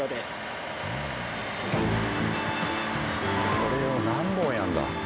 これを何本やるんだ？